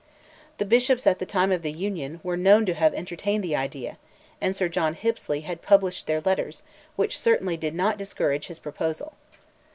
The bishops at the time of the Union, were known to have entertained the idea, and Sir John Hippesley had published their letters, which certainly did not discourage his proposal.